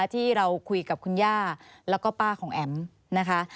ที่เราคุยกับคุณย่าแล้วก็ป้าของแอ๋มนะคะ